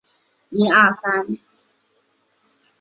三氟甲烷可用作制冷剂或灭火剂使用。